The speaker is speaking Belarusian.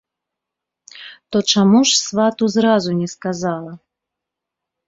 То чаму ж свату зразу не сказала?